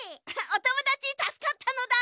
おともだちたすかったのだ！